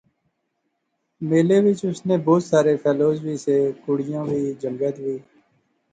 میلے وچ اس نے بہت سارے فیلوز وی سے، کڑئیاں وی، جنگت وی